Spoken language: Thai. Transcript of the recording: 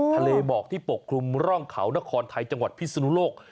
ทะเลหมอกที่ปกคลุมร่องเขานครไทยจังหวัดพิศนุโลก